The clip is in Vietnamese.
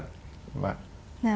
dạ vâng ạ